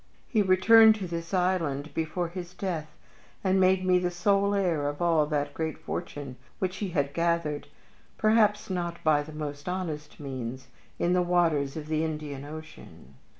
He returned to this island before his death, and made me the sole heir of all that great fortune which he had gathered perhaps not by the most honest means in the waters of the Indian Ocean.